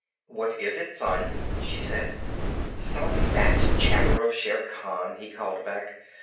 "What is it, Son?" she said. "Some bat's chatter of Shere Khan," he called back.